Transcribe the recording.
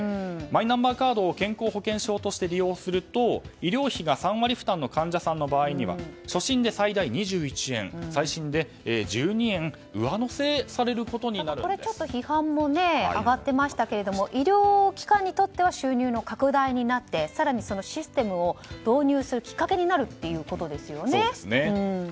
マイナンバーカードを健康保険証として利用すると、医療費が３割負担の患者さんの場合には初診で最大２１円再診で１２円ちょっと批判も上がっていましたけど医療機関にとっては収入の拡大になって更にそのシステムを導入するきっかけになるということですよね。